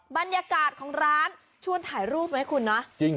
บรรยากาศของร้านชวนถ่ายรูปไหมคุณเนาะจริง